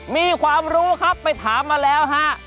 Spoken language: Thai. มีความรู้ครับไปถามมาแล้วฮะ